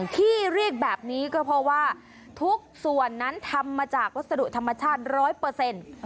ที่เรียกแบบนี้ก็เพราะว่าทุกส่วนนั้นทำมาจากวัสดุธรรมชาติร้อยเปอร์เซ็นต์